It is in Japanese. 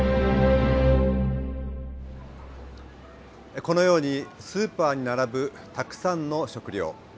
このようにスーパーに並ぶたくさんの食料。